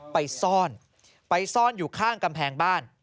ไปซ่อนไปซ่อนอยู่ข้างกำแพงบ้าน